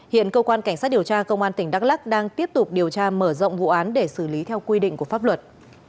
hiện cơ quan cảnh sát điều tra công an tỉnh đắk lắc đang tiếp tục điều tra mở rộng vụ án để xử lý theo quy định của pháp luật